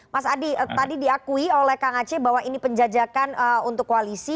mas adi tadi diakui oleh kang aceh bahwa ini penjajakan untuk koalisi